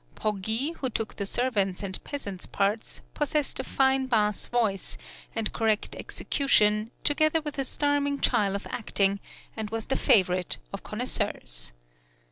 Poggi, who took the servants' and peasants' parts, possessed a fine bass voice and correct execution, together with a charming style of acting, and was the favourite of connoisseurs.